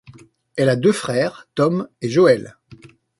Elle a deux frères, Tom et Joel.